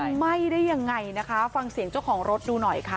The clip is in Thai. มันไหม้ได้ยังไงนะคะฟังเสียงเจ้าของรถดูหน่อยค่ะ